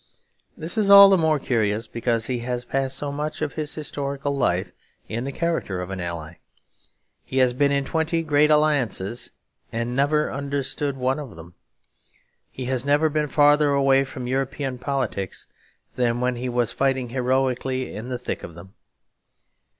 This is all the more curious because he has passed so much of his historical life in the character of an ally. He has been in twenty great alliances and never understood one of them. He has never been farther away from European politics than when he was fighting heroically in the thick of them.